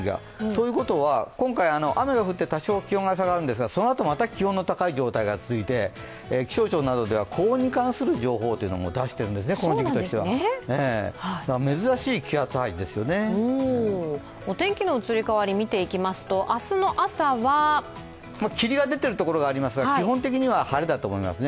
ということは、今回雨が降って多少気温が下がるんですがそのあともまた気温の高い状態が続いて、気象庁からは高温に関する情報というのも出しているんですね、この時期としてはお天気の移り変わりを見ていきますと明日の朝は霧が出ている所がありますが基本的には晴れだと思います。